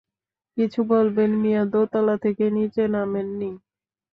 কিছু বলবেন মিয়া দোতলা থেকে নিচে নামেন নি।